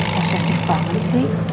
posesif banget sih